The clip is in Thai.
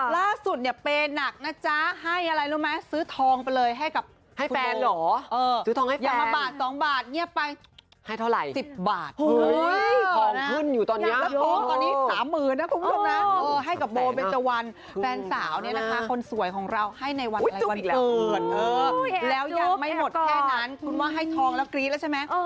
แล้วอย่างไม่หมดแค่นั้นคุณว่าให้ทองแล้วกรี๊ดแล้วใช่ไหม